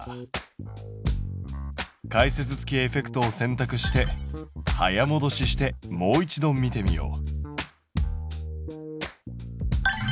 解説付きエフェクトを選択して早もどししてもう一度見てみよう。